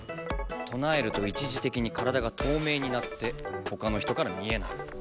となえると一時てきに体が透明になってほかの人から見えない。